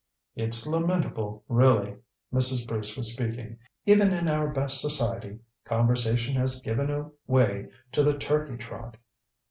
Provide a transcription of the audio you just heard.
"It's lamentable, really." Mrs. Bruce was speaking. "Even in our best society conversation has given way to the turkey trot.